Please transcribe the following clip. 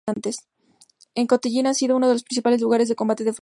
El Cotentin ha sido uno de los principales lugares de combate de Francia.